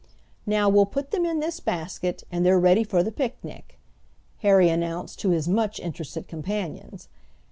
"Now we'll put them in this basket, and they're ready for the picnic," Harry announced to his much interested companions.